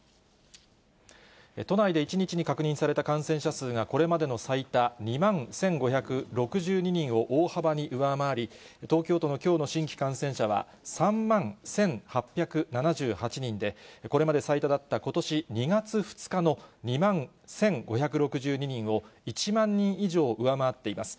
都内で１日に確認された感染者数が、これまでの最多、２万１５６２人を大幅に上回り、東京都のきょうの新規感染者は３万１８７８人で、これまで最多だった、ことし２月２日の２万１５６２人を１万人以上上回っています。